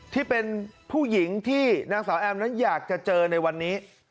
ที่เป็นผู้หญิงที่นางสาวแอมนั้นอยากจะเจอในวันนี้